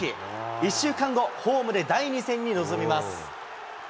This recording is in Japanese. １週間後、ホームで第２戦に臨みます。